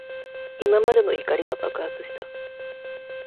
今までの怒りが爆発した。